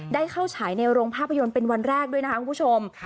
ได้เข้าฉายในโรงภาพยนตร์เป็นวันแรกด้วยนะคะคุณผู้ชม